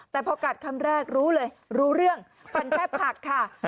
แต่พอกัดคำแรกรู้เลยรู้เรื่องฟันแทบหักค่ะ